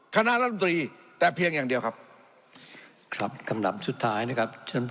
คณะรัฐมนตรีแต่เพียงอย่างเดียวครับครับคำถามสุดท้ายนะครับเชิญ